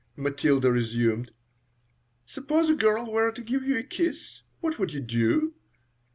Matilda resumed. "Suppose a girl were to give you a kiss. What would you do?